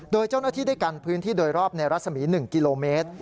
โดยเจ้าหน้าที่ได้กันพื้นที่โดยรอบในรัศมี๑กิโลเมตร